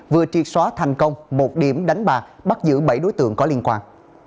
vừa triệt xóa thành công một điểm đánh bắt giữ bảy đối tượng có liên quan